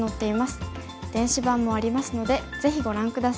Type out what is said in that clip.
電子版もありますのでぜひご覧下さい。